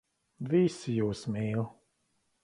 Visi jūs mīl.